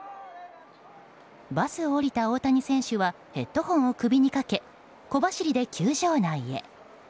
バスを降りた大谷選手はヘッドホンを首にかけ小走りで球場内へ。